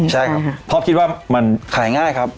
ใช่ครับเพราะคิดว่ามันขายง่ายครับ